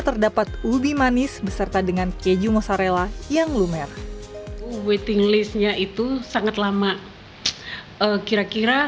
terdapat ubi manis beserta dengan keju mozzarella yang lumer waiting listnya itu sangat lama kira kira